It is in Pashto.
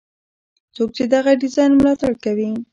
څوک چې دغه ډیزاین ملاتړ کوي.